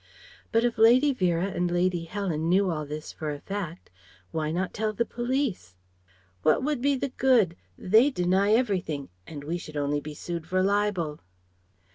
But if Lady Vera and Lady Helen knew all this for a fact, why not tell the Police? "What would be the good? They'd deny everything and we should only be sued for libel."